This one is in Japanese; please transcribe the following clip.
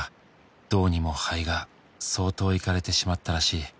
「どうにも肺が相当いかれてしまったらしい」